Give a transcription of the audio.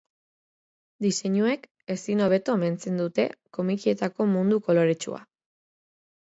Diseinuek ezin hobeto omentzen dute komikietako mundu koloretsua.